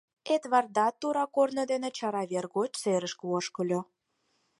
Эдвардат тура корно дене чара вер гоч серышке ошкыльо.